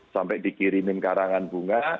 sampai dikirimin karangan bunga